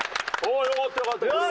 よかったよかったこれは。